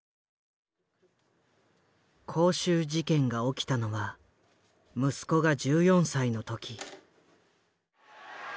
光州事件が起きたのは息子が１４歳の時。